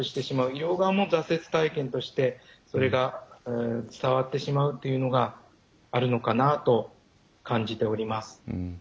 医療側も挫折体験としてそれが伝わってしまうというのがあるのかなと感じております。